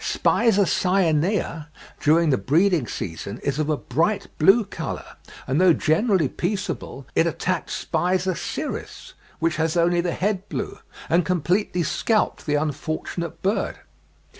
Spiza cyanea, during the breeding season, is of a bright blue colour; and though generally peaceable, it attacked S. ciris, which has only the head blue, and completely scalped the unfortunate bird.